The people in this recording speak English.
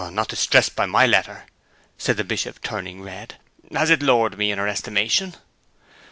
'Not distressed by my letter?' said the Bishop, turning red. 'Has it lowered me in her estimation?'